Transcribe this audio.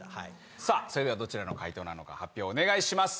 さあそれではどちらの回答なのか発表お願いします。